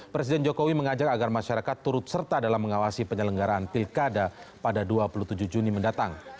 presiden jokowi mengajak agar masyarakat turut serta dalam mengawasi penyelenggaraan pilkada pada dua puluh tujuh juni mendatang